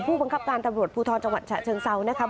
ผู้บังคับการตำรวจภูทรจังหวัดฉะเชิงเซานะครับ